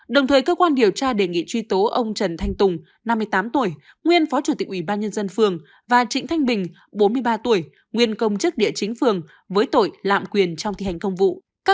đồng thời cơ quan điều tra đề nghị truy tố ông trần thanh tùng năm mươi tám tuổi nguyên phó chủ tịch ủy ban nhân dân phường và trịnh thanh bình bốn mươi ba tuổi nguyên công chức địa chính phường với tội lạm quyền trong thi hành công vụ